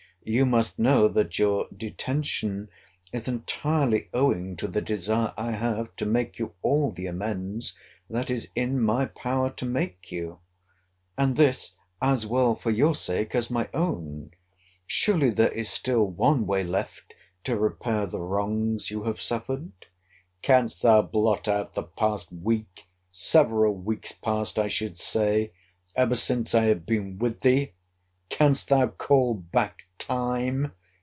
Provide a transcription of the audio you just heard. You must know, that your detention is entirely owing to the desire I have to make you all the amends that is in my power to make you. And this, as well for your sake as my own. Surely there is still one way left to repair the wrongs you have suffered—— Canst thou blot out the past week! Several weeks past, I should say; ever since I have been with thee? Canst thou call back time?